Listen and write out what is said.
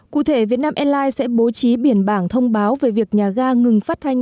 cụ thể vietnam airlines sẽ bố trí biển bảng thông báo về việc nhà ga ngừng phát thanh